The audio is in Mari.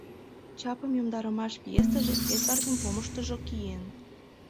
“Чапым йомдарымаш” пьесыже Эдвардын помыштыжо киен.